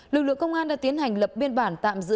lực lượng công an đã tiến hành lập biên bản tạm giữ